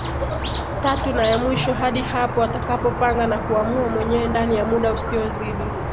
tatu na ya mwisho hadi hapo atakapopanga na kuamua mwenyewe ndani ya muda usiozidi